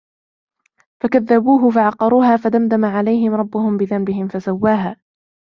فكذبوه فعقروها فدمدم عليهم ربهم بذنبهم فسواها